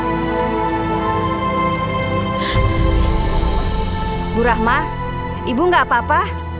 ibu rahmat ibu nggak apa apa